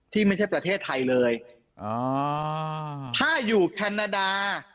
ที่ไม่ใช่ประเทศไทยเลยอ๋อถ้าอยู่แคนาดา